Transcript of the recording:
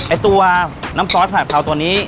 ไอ้ตัวน้ำซอสผัดเพราตัวนี้